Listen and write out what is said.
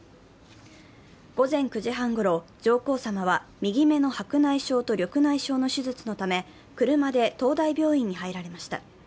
午前９時半ごろ、上皇さまは右目の白内障と緑内障の手術のため、車で東大病院に入られました。